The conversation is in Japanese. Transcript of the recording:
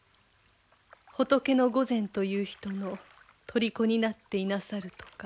仏御前という人のとりこになっていなさるとか。